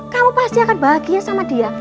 kamu pasti akan bahagia sama dia